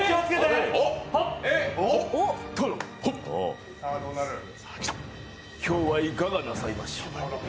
殿、今日はいかがなさいましたか？